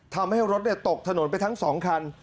ทำให้รถตกถนนไปทั้ง๒คัน